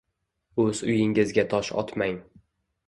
O’z uyinggizga tosh otmang.